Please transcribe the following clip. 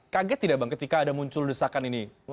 kaget tidak bang ketika ada muncul desakan ini